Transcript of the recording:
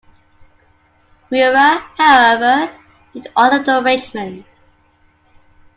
Miura, however, did all of the arrangement.